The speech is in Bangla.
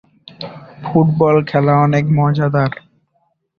এমনকি অলিম্পিক গেমসের চেয়েও বেশি মানুষ বিশ্বকাপ দেখে থাকে।